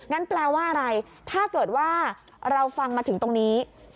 แปลว่าอะไรถ้าเกิดว่าเราฟังมาถึงตรงนี้